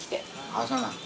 あっそうなの？